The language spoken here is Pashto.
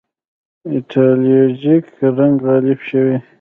ایدیالوژیک رنګ غالب شوی.